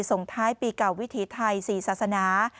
ส่งท้ายปีเก่าวิถีไทย๔ศาสนา